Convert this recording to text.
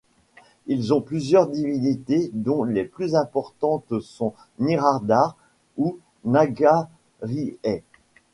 Ils ont plusieurs divinités, dont les plus importantes sont Niradhar, ou Nagarihai.